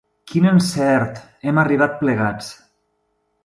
Quin encert: hem arribat plegats!